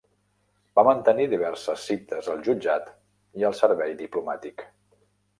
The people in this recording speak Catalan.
Va mantenir diverses cites al jutjat i al servei diplomàtic.